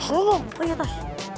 tolong ke atas